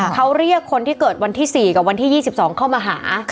เขาเรียกคนที่เกิดวันที่๔กับวันที่๒๒เข้ามาหา